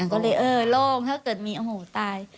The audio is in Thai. ก็เลยเออโล่งถ้าเกิดมีโอ้โหตาย